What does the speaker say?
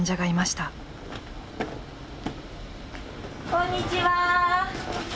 こんにちは。